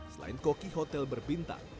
selain koki hotel berpintar